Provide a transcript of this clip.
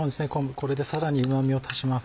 これでさらにうま味を足します。